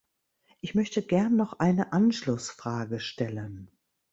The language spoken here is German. Ich möchte gern noch eine Anschlussfrage stellen.